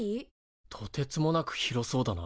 とてつもなく広そうだな。